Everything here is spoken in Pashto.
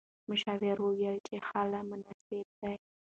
مشاور وویل چې حل مناسب دی.